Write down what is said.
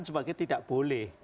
sebagai tidak boleh